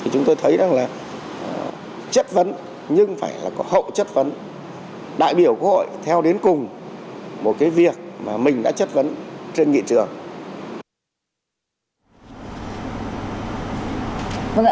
chúng tôi thấy rằng là chất vấn nhưng phải là có hậu chất vấn đại biểu quốc hội theo đến cùng một việc mà mình đã chất vấn trên nghị trường